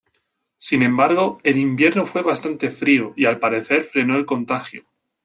Sin embargo, el invierno fue bastante frío, y al parecer frenó el contagio.